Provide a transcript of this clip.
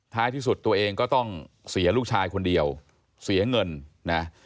ที่สุดตัวเองก็ต้องเสียลูกชายคนเดียวเสียเงินนะ